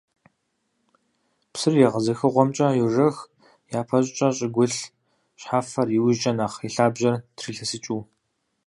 Псыр егъэзыхыгъуэмкӀэ йожэх, япэ щӀыкӀэ щӀыгулъ шхьэфэр, иужькӀэ нэхъ и лъабжьэр трилъэсыкӀыу.